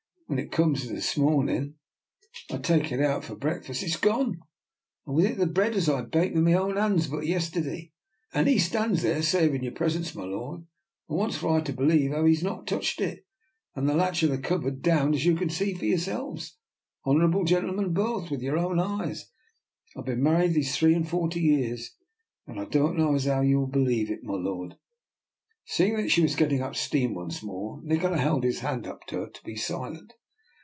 When I comes this mornin' to take it out for breakfast, it's gone, and with it the bread as I baked with my own hands but yesterday. And he stands there, savin' your presence, my lord, and wants I for to believe as how he's not touched it, and the latch of the cupboard down, as you can see for yourselves, honour 248 I>R NIKOLA'S EXPERIMENT. able gentlemen both, with your own eyes. IVe been married these three and forty years, and I don't know as how you will believe it, my lord " Seeing that she was getting up steam once more, Nikola held up his hand to her to be silent.